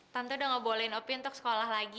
tante udah ga bolehin opi untuk sekolah lagi